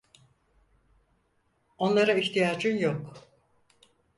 Onlara ihtiyacın yok.